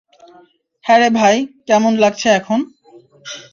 হ্যাঁ রে ভাই, কেমন লাগছে এখন?